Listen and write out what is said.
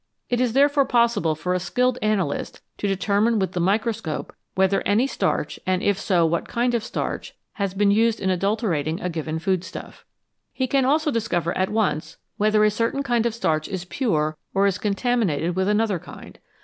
It is therefore possible for a skilled analyst to determine with the microscope whether any starch, and, if so, what kind of starch, has been used in adulterating a given food stuff. He can also discover at once whether a certain kind of starch is pure or is contaminated with another kind.